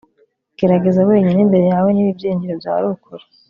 Gerageza wenyine imbere yawe niba ibyiringiro byawe ari ukuri